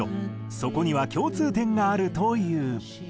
そこには共通点があるという。